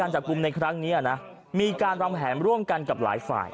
จับกลุ่มในครั้งนี้นะมีการวางแผนร่วมกันกับหลายฝ่าย